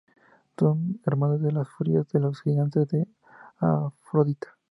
Son hermanas de las Furias, de los Gigantes y de Afrodita.